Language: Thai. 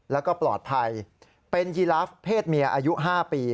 แล้วก็ปลอดภัยเป็นยีลาฟเพศเมียอายุ๕ปี